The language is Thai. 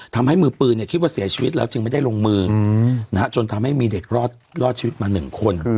ทำให้มือปืนคิดว่าเสียชีวิตแล้วจึงไม่ได้ลงมือจนทำให้มีเด็กรอดชีวิตมา๑คน